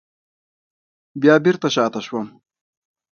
بیا بېرته شاته شوم.